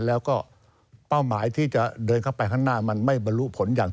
แล้วก็เป้าหมายที่จะเดินเข้าไปข้างหน้ามันไม่บรรลุผลอย่าง